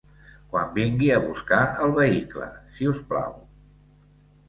Quan vingui a buscar el vehicle, si us plau.